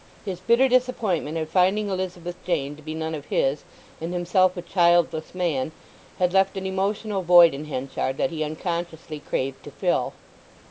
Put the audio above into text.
His bitter disappointment at finding Elizabeth Jane to be none of his, and himself a childless man, had left an emotional void in Henchard that he unconsciously craved to fill.